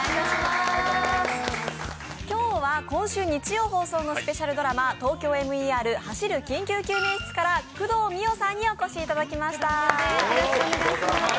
今日は今週日曜放送のスペシャルドラマ「ＴＯＫＹＯＭＥＲ走る緊急救命室」から工藤美桜さんにお越しいただきました。